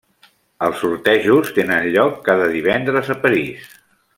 Els sortejos tenen lloc cada divendres a París.